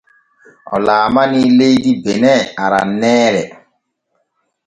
O laalanii leydi bene aranneere.